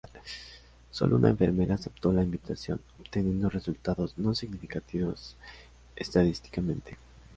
Solo una enfermera aceptó la invitación, obteniendo resultados no significativos estadísticamente.